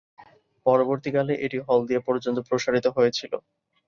পরবর্তীকালে এটি হলদিয়া পর্যন্ত প্রসারিত হয়েছিল।